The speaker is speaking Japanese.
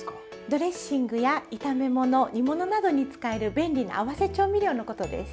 ドレッシングや炒め物煮物などに使える便利な合わせ調味料のことです。